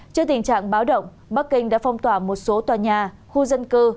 trước tình trạng báo động bắc kinh đã phong tỏa một số tòa nhà khu dân cư